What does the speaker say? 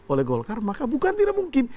oleh golkar maka bukan tidak mungkin